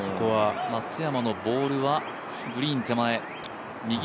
松山のボールはグリーン手前。